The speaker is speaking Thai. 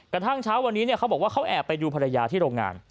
กระทั่งเช้าวันนี้เขาบอกว่าเขาแอบไปดูภรรยาที่โรงงาน